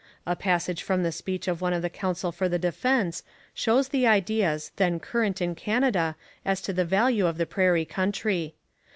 A passage from the speech of one of the counsel for the defence shows the ideas then current in Canada as to the value of the prairie country.